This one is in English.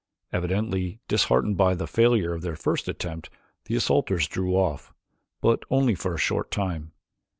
Evidently disheartened by the failure of their first attempt the assaulters drew off, but only for a short time.